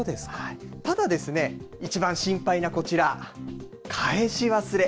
ただですね、一番心配はこちら、返し忘れ。